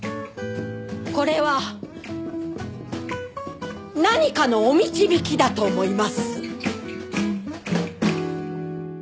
これは何かのお導きだと思います。